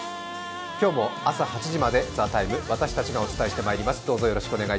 今日も朝８時まで「ＴＨＥＴＩＭＥ，」私たちがお伝えしてまいります。